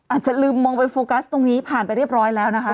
อาจจะลืมมองไปโฟกัสตรงนี้ผ่านไปเรียบร้อยแล้วนะคะ